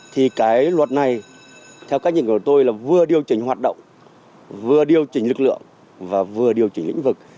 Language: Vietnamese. thì cái luật này theo cách nhìn của tôi là vừa điều chỉnh hoạt động vừa điều chỉnh lực lượng và vừa điều chỉnh lĩnh vực